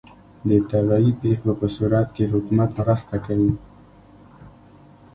د طبیعي پیښو په صورت کې حکومت مرسته کوي؟